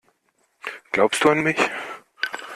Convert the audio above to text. Glaubst du an mich?